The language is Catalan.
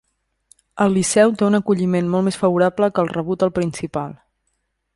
Al Liceu té un acolliment molt més favorable que el rebut al Principal.